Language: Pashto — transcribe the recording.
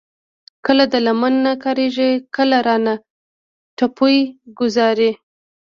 کله د لمن نه راکاږي، کله رانه ټوپۍ ګوذاري ـ